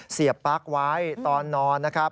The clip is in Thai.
เสียบปลั๊กไว้ตอนนอนนะครับ